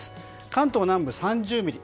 関東南部３０ミリ。